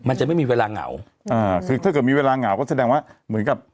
มันจะไม่มีเวลาเหงาอ่าคือถ้าเกิดมีเวลาเหงาก็แสดงว่าเหมือนกับ